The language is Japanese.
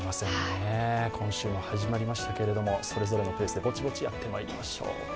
今週も始まりましたけれども、それぞれのペースでぼちぼちやってまいりましょう。